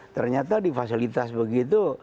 ternyata di fasilitas begitu